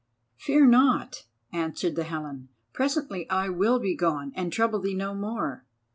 "Fear not," answered the Helen, "presently I will begone and trouble thee no more.